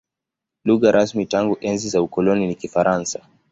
Lugha rasmi tangu enzi za ukoloni ni Kifaransa.